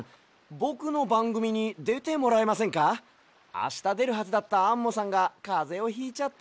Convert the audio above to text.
あしたでるはずだったアンモさんがかぜをひいちゃって。